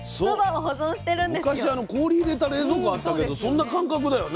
昔氷入れた冷蔵庫あったけどそんな感覚だよね。